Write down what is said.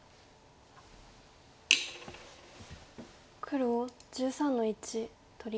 黒１３の一取り。